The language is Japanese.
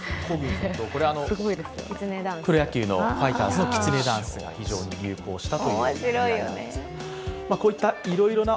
こちらはプロ野球のファイターズのきつねダンスが非常に流行したということですね。